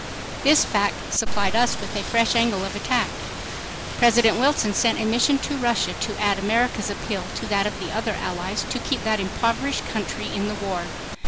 This fact supplied us with a fresh angle of attack. President Wilson sent a Mission to Russia to add America's appeal to that of the other Allies to keep that impoverished country in the war.